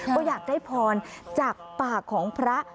ก็อยากได้พรจากปากของพระ